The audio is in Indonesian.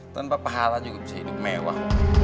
tanpa pahala juga bisa hidup mewah